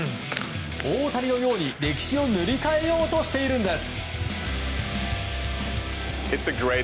大谷のように、歴史を塗り替えようとしているんです。